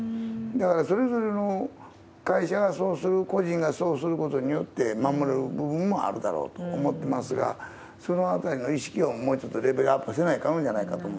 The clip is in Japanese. だから、それぞれの会社がそうする、個人がそうすることによって、守る部分もあるだろうと思ってますが、そのあたりの意識をもうちょっとレベルアップせないかんのじゃな